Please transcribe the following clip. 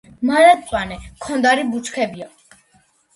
მარადმწვანე ქონდარი ბუჩქებია.